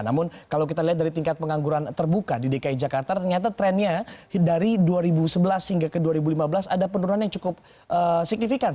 namun kalau kita lihat dari tingkat pengangguran terbuka di dki jakarta ternyata trennya dari dua ribu sebelas hingga ke dua ribu lima belas ada penurunan yang cukup signifikan